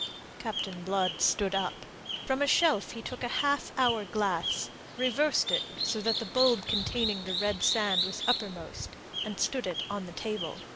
Captain Blood stood up. From a shelf he took a half hour glass, reversed it so that the bulb containing the red sand was uppermost, and stood it on the table.